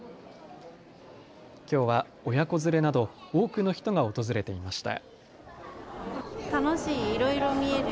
きょうは親子連れなど多くの人が訪れていました。